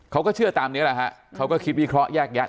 เขาก็เชื่อตามนี้แหละฮะเขาก็คิดวิเคราะห์แยกแยะ